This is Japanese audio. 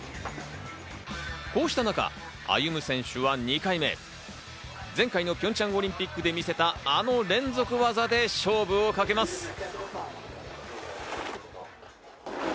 こうした中、歩夢選手は２回目、前回のピョンチャンオリンピックで見せたあの連続技で勝負をかけます。